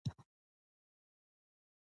څوک چې په تاسو ظلم کوي تاسې ورته بښنه وکړئ.